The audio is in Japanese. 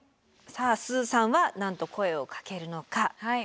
さあすずさんは何と声をかけるのか。